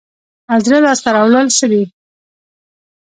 زړه لاس ته راوړل څه دي؟